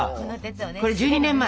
これ１２年前！